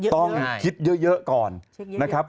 ต้องคิดเยอะก่อนนะครับ